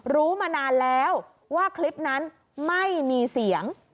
รู้มานานแล้วว่าคลิปนั้นไม่มีเสียง